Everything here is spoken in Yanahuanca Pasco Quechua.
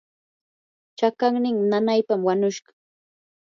chaqannin nanaypam wanushqa.